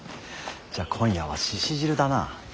じゃあ今夜は鹿汁だな。